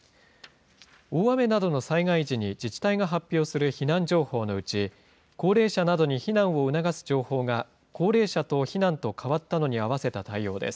大雨などの災害時に自治体が発表する避難情報のうち、高齢者などに避難を促す情報が、高齢者等避難と変わったのに合わせた対応です。